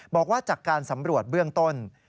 บอกว่าจากการสำรวจเบื้องต้น